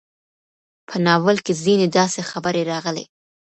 په ناول کې ځينې داسې خبرې راغلې